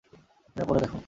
এটা পরে দেখো।